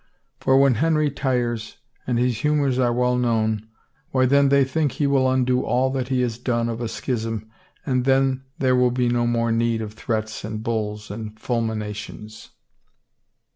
For when Henry tires, and his humors are well known, — why then they think he will undo all that he has done of a schism and then there will be no more need of threats and bulls and fulminations."